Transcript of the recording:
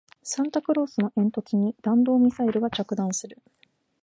サンタクロースの煙突に弾道ミサイルが着弾する